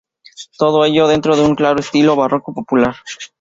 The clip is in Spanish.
Todo ello dentro de un claro estilo barroco popular.